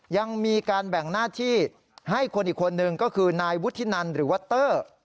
ยังมีการแบ่งหน้าที่ให้คนอีกคนนึงก็คือนายวุฒินันหรือว่าเตอร์